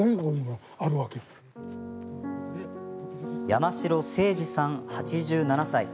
山城正二さん、８７歳。